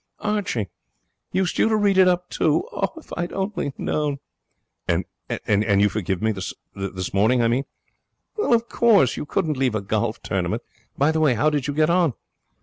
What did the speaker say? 'Archie! Used you to read it up, too? Oh, if I'd only known!' 'And you forgive me this morning, I mean?' 'Of course. You couldn't leave a golf tournament. By the way, how did you get on?'